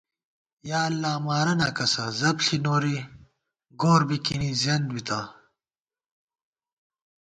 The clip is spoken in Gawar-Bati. یا اللہ مارَنا کسہ زپݪی نوری گور بِکِنی زیَنت بِتہ